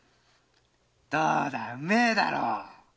どうだうめえだろ！